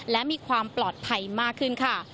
และมีความปลอดภัยมากขึ้นค่ะ